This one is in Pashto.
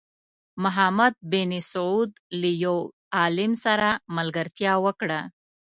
محمد بن سعود له یو عالم سره ملګرتیا وکړه.